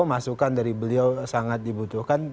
masukan dari beliau sangat dibutuhkan